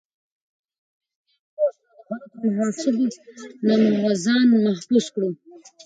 که موږ رښتیا پوه شو، نو د غلطو محاسبو نه ځان محفوظ کړو.